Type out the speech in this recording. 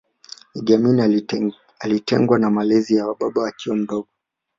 Iddi Amini alitengwa na malezi ya baba akiwa mdogo